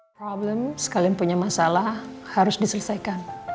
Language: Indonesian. problem sekalian punya masalah harus diselesaikan